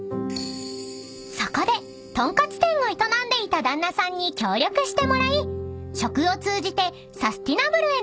［そこでとんかつ店を営んでいた旦那さんに協力してもらい食を通じてサスティナブルへの思いを発信しようと